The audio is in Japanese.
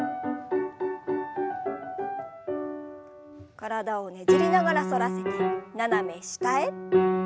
体をねじりながら反らせて斜め下へ。